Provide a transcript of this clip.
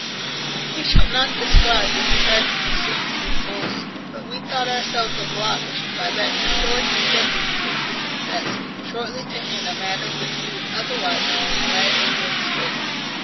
We shall not describe this tragical scene too fully; but we thought ourselves obliged, by that historic integrity which we profess, shortly to hint a matter which we would otherwise have been glad to have spared.